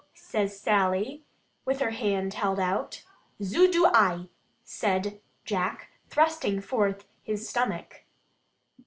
says Sally, with her hand held out. "Zo do ai," says Jack, thrusting forth his stomach.